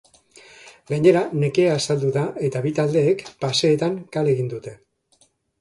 Gainera, nekea azaldu da eta bi taldeek paseetan kale egin dute.